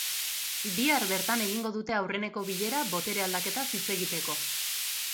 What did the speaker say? Bihar bertan egingo dute aurreneko bilera botere aldaketaz hitz egiteko.